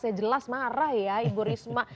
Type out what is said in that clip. saya jelas marah ya ibu risma